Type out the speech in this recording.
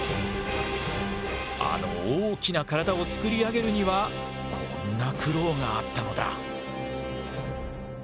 あの大きな体を作り上げるにはこんな苦労があったのだ。